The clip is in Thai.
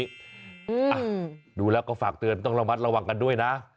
อ่ะดูแล้วก็ฝากเตือนต้องระมัดระวังกันด้วยนะ